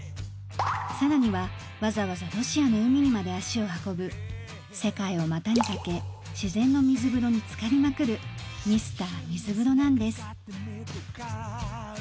更にはわざわざロシアの海にまで足を運ぶ世界を股にかけ自然のみず風呂につかりまくるＭｒ．みず風呂なんです。